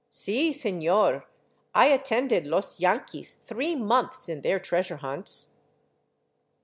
" Si, seiior, I attended los yanquis three months in their treasure hunts."